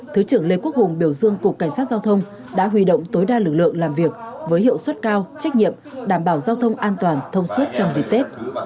thứ trưởng lê quốc hùng biểu dương cục cảnh sát giao thông đã huy động tối đa lực lượng làm việc với hiệu suất cao trách nhiệm đảm bảo giao thông an toàn thông suốt trong dịp tết